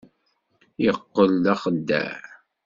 Yeqqel d axeddaε.